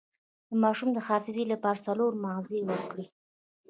د ماشوم د حافظې لپاره څلور مغز ورکړئ